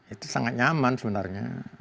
itu sangat nyaman sebenarnya